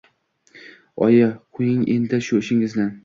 Oyi, qo‘ying endi shu ishingizni...